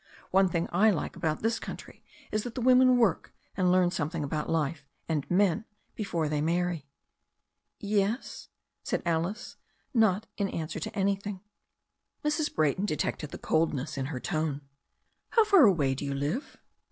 One thing I like about this country is that the women work, and learn something about life and men before they marry." "Yes?" said Alice, not in answer to an3rthing. Mrs. Bra)rton detected the coldness in her tone. "How far away do you live?"